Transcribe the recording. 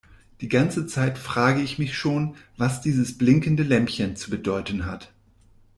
Die ganze Zeit frage ich mich schon, was dieses blinkende Lämpchen zu bedeuten hat.